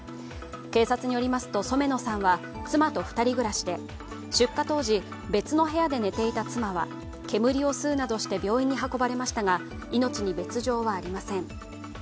警察によりますと、染野さんは妻と２人暮らしで出火当時、別の部屋で寝ていた妻は煙を吸うなどして病院に運ばれましたが命に別状はありません。